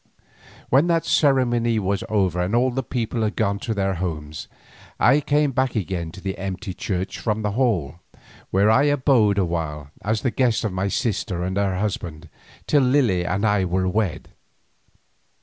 When that ceremony was over and all people had gone to their homes, I came back again to the empty church from the Hall, where I abode a while as the guest of my sister and her husband, till Lily and I were wed.